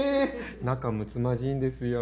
仲むつまじいんですよ。